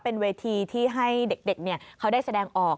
เป็นเวทีที่ให้เด็กเขาได้แสดงออก